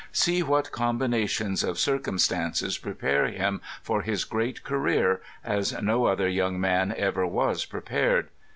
See what combinations of circum stances prepare him for his great career, as no other young man ever was prepared.